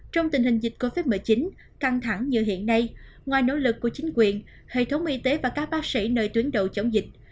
trong tình hình dịch covid một mươi chín căng thẳng như hiện nay ngoài nỗ lực của chính quyền hệ thống y tế và các bác sĩ nơi tuyến đầu chống dịch